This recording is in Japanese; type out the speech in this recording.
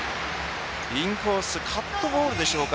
インコースカットボールでしょうか。